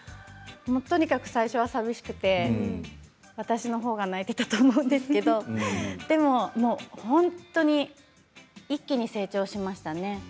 とにかく最初は寂しくて私のほうが泣いていたと思うんですけど、でも本当に一気に成長しましたね。